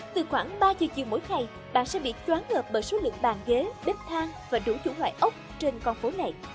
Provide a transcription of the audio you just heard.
từ khoảng ba giờ chiều mỗi ngày bạn sẽ bị choáng ngợp bởi số lượng bàn ghế bếp thang và đủ chủ loại ốc trên con phố này